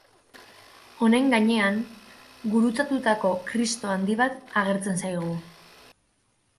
Honen gainean, gurutzatutako Kristo handi bat agertzen zaigu.